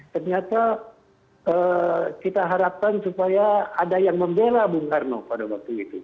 ternyata kita harapkan supaya ada yang membela bung karno pada waktu itu